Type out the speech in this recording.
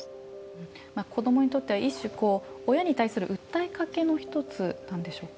子どもにとっては一種親に対する訴えかけの一つなんでしょうか？